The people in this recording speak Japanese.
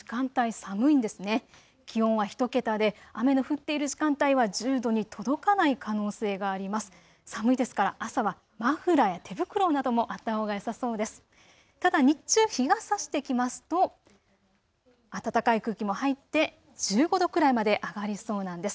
寒いですから朝はマフラーや手袋などもあったほうがよさそうです。